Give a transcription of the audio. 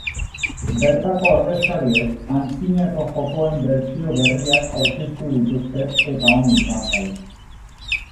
Bertako ordezkariek, antzinako jokoen bertsio berriak aurkeztu dituzte eta ongi joan zaie.